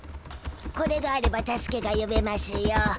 これがあれば助けがよべましゅよ。